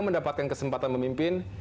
mendapatkan kesempatan memimpin